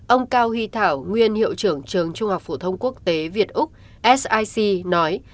ông cao huy thảo nguyên hiệu trưởng trường trung học phổ thông quốc tế việt úc sic nói